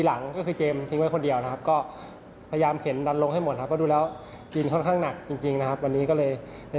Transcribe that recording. ดีครับดีการค่าครับสำหรับวันนี้ก็น้องนี่ลงไป